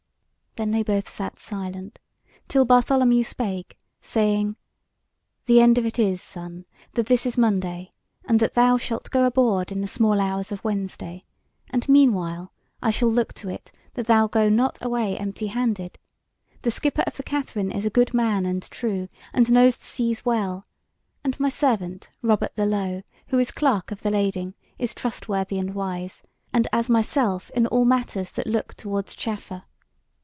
Then they both sat silent, till Bartholomew spake, saying: "The end of it is, son, that this is Monday, and that thou shalt go aboard in the small hours of Wednesday; and meanwhile I shall look to it that thou go not away empty handed; the skipper of the Katherine is a good man and true, and knows the seas well; and my servant Robert the Low, who is clerk of the lading, is trustworthy and wise, and as myself in all matters that look towards chaffer.